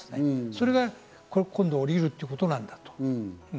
それが今度、降りるということなので。